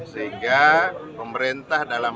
sehingga pemerintah dalam